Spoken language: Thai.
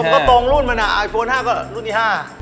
ก็ตรงรุ่นมันอ่ะไอโฟน๕ก็รุ่นที่๕